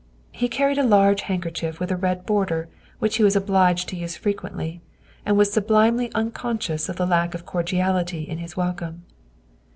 He carried a large handkerchief with a red border which he was obliged to use frequently, and was sublimely unconscious of the lack of cordiality in his welcome.